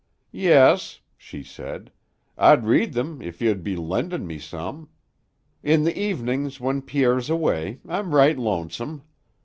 "Yes," she said. "I'd read them if you'd be lendin' me some. In the evenings when Pierre's away, I'm right lonesome.